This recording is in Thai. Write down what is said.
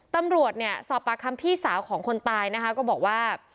ตำรวจเนี่ยสอบปากคำพี่สาวของคนตายนะคะก็บอกว่า